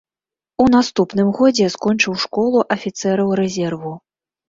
У наступным годзе скончыў школу афіцэраў рэзерву.